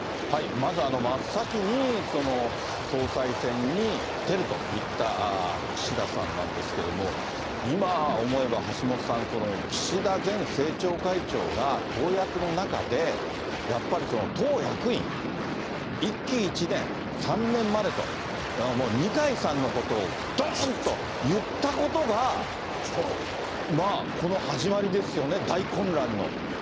まず、真っ先に総裁選に出ると言った岸田さんなんですけれども、今思えば、橋下さん、この岸田前政調会長が公約の中で、やっぱり党役員、１期１年、３年までと、もう二階さんのことをどーんと言ったことが、まあ、この始まりますですよね、大混乱の。